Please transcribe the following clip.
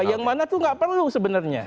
yang mana tuh nggak perlu sebenarnya